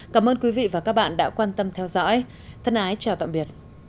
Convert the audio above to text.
cảm ơn các bạn đã theo dõi và hẹn gặp lại